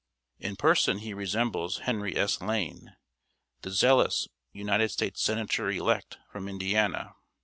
In person he resembles Henry S. Lane, the zealous United States Senator elect from Indiana.